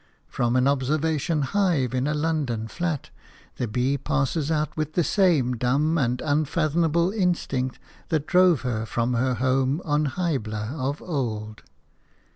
From an observation hive in a London flat the bee passes out with the same dumb and unfathomable instinct that drove her from her home on Hybla of old.